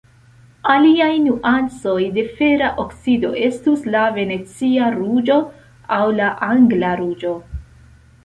Aliaj nuancoj de fera oksido estus la Venecia ruĝo aŭ la Angla ruĝo.